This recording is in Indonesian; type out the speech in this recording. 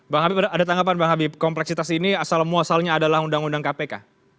bang habib ada tanggapan bang habib kompleksitas ini asal muasalnya adalah undang undang kpk